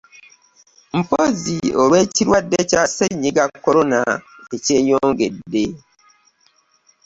Mpozzi olw'ekirwadde kya Ssennyiga Corona ekyeyongedde